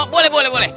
boleh boleh boleh